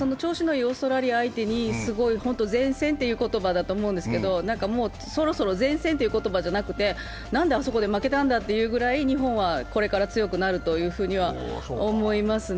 オーストラリア相手に善戦という言葉だと思うんですけど、そろそろ善戦という言葉じゃなくて、なんであそこで負けたんだと言うくらい日本はこれから強くなると思いますね。